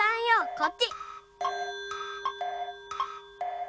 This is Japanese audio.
こっち！